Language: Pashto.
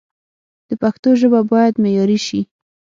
د پښتو ژبه باید معیاري شي